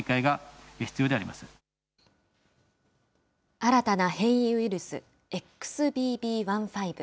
新たな変異ウイルス、ＸＢＢ．１．５。